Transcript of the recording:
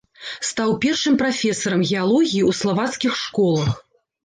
Стаў першым прафесарам геалогіі ў славацкіх школах.